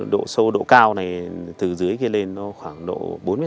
độ sâu độ cao này từ dưới kia lên nó khoảng độ bốn m năm